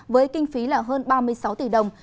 với kinh phí hơn ba mươi sáu tỷ đồng